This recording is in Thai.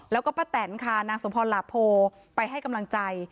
แล้วก็ป้าแตนค่ะนางสมพรหลาโพไปให้กำลังใจ